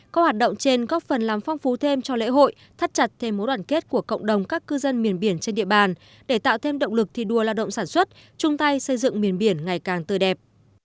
các hoạt động trên góp phần làm phong phú thêm cho lễ hội thắt chặt thêm mối đoàn kết của cộng đồng các cư dân miền biển trên địa bàn để tạo thêm động lực thi đua lao động sản xuất chung tay xây dựng miền biển ngày càng tươi đẹp